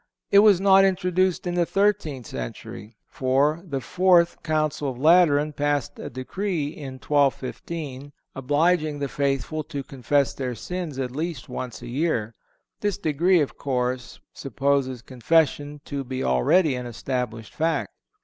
It was not introduced in the thirteenth century, for the Fourth Council of Lateran passed a decree in 1215 obliging the faithful to confess their sins at least once a year. This decree, of course, supposes Confession to be already an established fact.